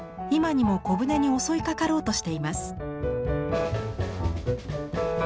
今にも小舟に襲いかかろうとしています。